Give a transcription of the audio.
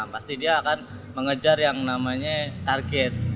pasti dia akan mengejar yang namanya target